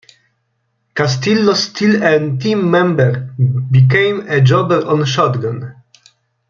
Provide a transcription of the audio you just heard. Castillo still a team member, became a jobber on Shotgun.